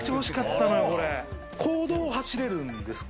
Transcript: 公道を走れるんですか？